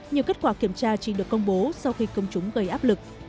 nhiều kết quả kiểm tra chỉ được công bố sau khi công chúng gây áp lực